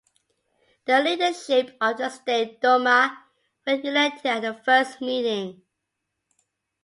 The leadership of the State Duma where elected at the first meeting.